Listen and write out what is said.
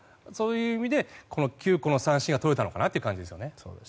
そういう意味で９個の三振がとれたのかなという感じです。